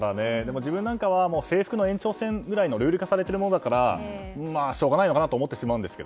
自分は制服の延長戦なんかのルール化されているものだったらしょうがないのかなと思ってしまうんですが。